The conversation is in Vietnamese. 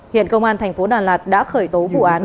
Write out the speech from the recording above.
hiện công an tp đà lạt đã khởi tố vụ án